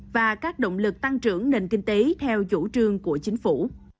và các động lực tăng trưởng nền kinh tế theo chủ trương của chính phủ